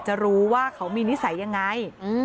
จะรู้ว่าเขามีนิสัยยังไง